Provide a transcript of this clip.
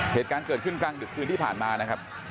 เหตุการณ์เกิดขึ้นกลางดึกคืนที่ผ่านมานะครับ